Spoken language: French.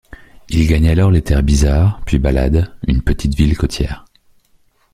Il gagne alors les Terres Bizarres, puis Balad, une petite ville côtière.